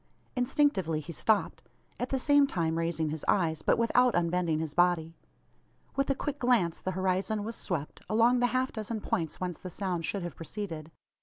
Instinctively he stopped; at the same time raising his eyes, but without unbending his body. With a quick glance the horizon was swept, along the half dozen points whence the sound should have proceeded.